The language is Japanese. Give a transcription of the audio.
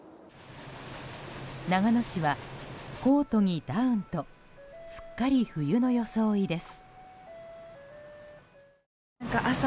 長野市はコートにダウンとすっかり冬の装いです。